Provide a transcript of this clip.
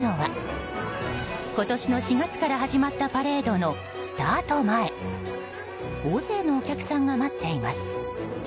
次の手掛かりを探しにやってきたのは今年の４月から始まったパレードのスタート前大勢のお客さんが待っています。